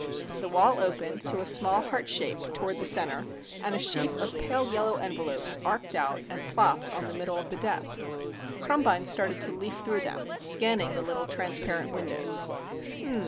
The wall opened to a small heart shape toward the center and a sheaf of pale yellow envelopes arced out and plopped on the middle of the desk. Krumbine started to leaf through them, scanning the little transparent windows.